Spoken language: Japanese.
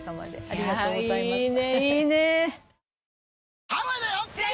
ありがとうございます。